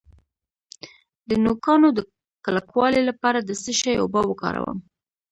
د نوکانو د کلکوالي لپاره د څه شي اوبه وکاروم؟